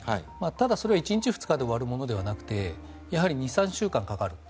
ただ、それは１日、２日で終わるものではなくてやはり２３週間かかる。